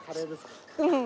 うん。